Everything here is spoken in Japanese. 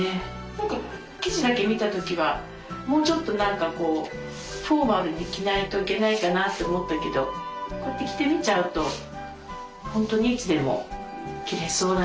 何か生地だけ見た時はもうちょっと何かこうフォーマルに着ないといけないかなって思ったけどこうやって着てみちゃうと本当にいつでも着れそうだね。